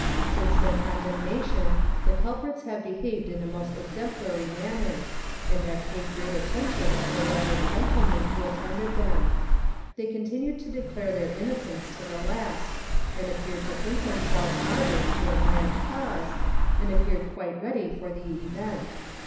Since their condemnation the culprits have behaved in a most exemplary manner, and have paid great attention to the Rev. gentlemen who attended them. They continued to declare their innocence to the last, and appeared to think themselves martyrs to a grand cause, and appeared quite ready for the event.